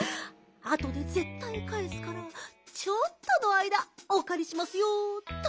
あとでぜったいかえすからちょっとのあいだおかりしますよっと。